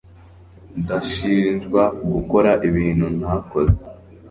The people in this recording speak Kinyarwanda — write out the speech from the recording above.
Ndashinjwa gukora ibintu ntakoze.